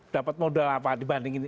dapat modal apa dibanding ini